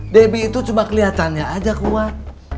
debbie itu cuma kelihatannya aja kuat